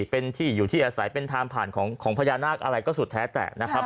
เป็นที่อยู่ที่อาศัยเป็นทางผ่านของพญานาคอะไรก็สุดแท้แต่นะครับ